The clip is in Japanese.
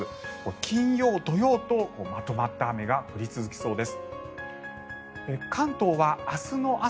金曜、土曜とまとまった雨が降り続きそうです。